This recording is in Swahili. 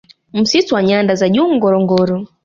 Msitu wa nyanda za Juu Ngorongoro